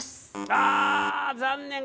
あ残念。